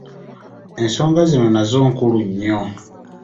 Ensonga zino nazo nkulu nnyo.